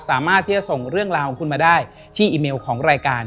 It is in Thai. สามารถที่จะส่งเรื่องราวของคุณมาได้ที่อีเมลของรายการ